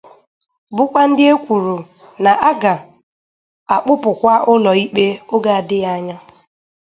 bụkwa ndị e kwuru na a ga-akpụpụkwa ụlọ ikpe oge adịghị anya